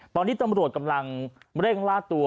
ตอนนี้ตำรวจกำลังเร่งล่าตัว